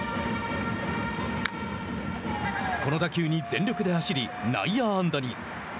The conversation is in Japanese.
この打球に全力で走り内野安打に。